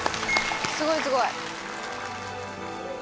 すごいすごい。